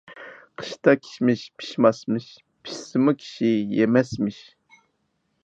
قىشتا كىشمىش پىشماسمىش، پىشسىمۇ كىشى يېمەسمىش.